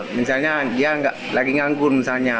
misalnya dia lagi nganggur